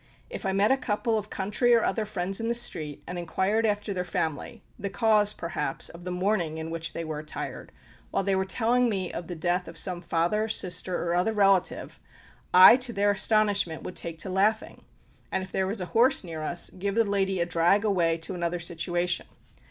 If I met a couple of country or other friends in the street, and inquired after their family the cause, perhaps, of the mourning in which they were attired while they were telling me of the death of some father, sister, or other relative, I to their astonishment would take to laughing, and if there was a horse near us, give the lady a drag away to another situation.